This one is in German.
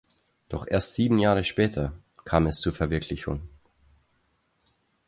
Doch erst sieben Jahre später kam es zur Verwirklichung.